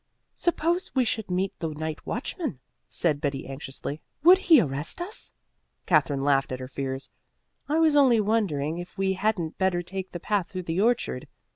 "Suppose we should meet the night watchman?" said Betty anxiously. "Would he arrest us?" Katherine laughed at her fears. "I was only wondering if we hadn't better take the path through the orchard.